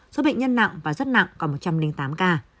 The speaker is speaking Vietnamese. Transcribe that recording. số bệnh nhân nặng và rất nặng còn một trăm linh tám ca